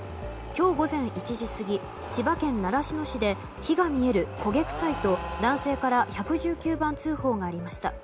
今日午前１時過ぎ千葉県習志野市で火が見える、焦げ臭いと男性から１１９番通報がありました。